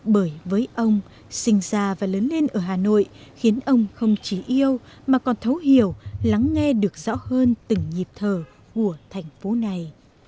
bởi với ông sinh ra và lớn lên ở hà nội khiến ông không chỉ yêu mà còn thấu hiểu lắng nghe được rõ hơn từng nhịp thờ của thành phố này